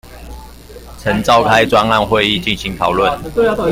曾召開專案會議進行討論